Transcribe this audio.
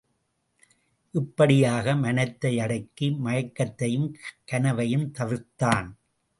இப்படியாக மனத்தை அடக்கி மயக்கத்தையும் கனவையும் தவிர்த்தான்.